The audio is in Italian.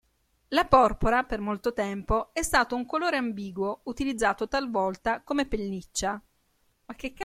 La porpora per molto tempo è stato un colore ambiguo utilizzato talvolta come "pelliccia".